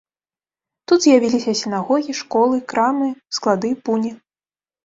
Тут з'явіліся сінагогі, школы, крамы, склады, пуні.